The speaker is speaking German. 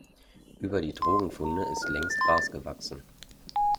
Über die Drogenfunde ist längst Gras gewachsen.